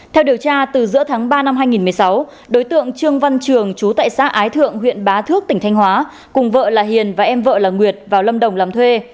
theo điều tra từ giữa tháng ba năm hai nghìn một mươi sáu đối tượng trương văn trường chú tại xã ái thượng huyện bá thước tỉnh thanh hóa cùng vợ là hiền và em vợ là nguyệt vào lâm đồng làm thuê